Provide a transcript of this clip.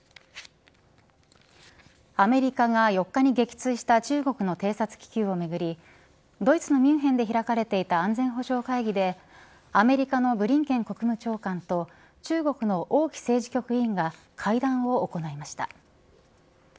アメリカが４日に撃墜した中国の偵察気球をめぐりドイツのミュンヘンで開かれていた安全保障会議でアメリカのブリンケン国務長官と中国の王毅政治局委員が会談を行いました。